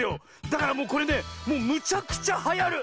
だからもうこれねもうむちゃくちゃはやる！